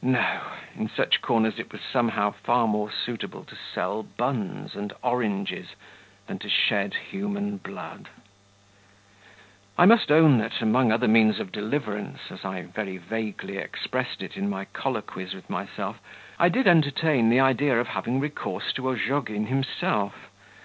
No! in such corners it was somehow far more suitable to sell buns and oranges than to shed human blood. I must own that, among other means of deliverance, as I very vaguely expressed it in my colloquies with myself, I did entertain the idea of having recourse to Ozhogin himself